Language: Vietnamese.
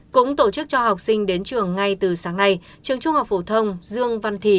cũng tổ chức cho học sinh đến trường ngay từ sáng nay trường trung học phổ thông dương văn thì